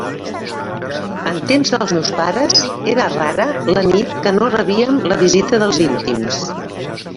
En temps dels meus pares era rara la nit que no rebíem la visita dels íntims.